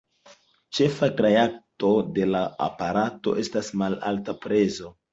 Ĉefa trajto de la aparato estas malalta prezo.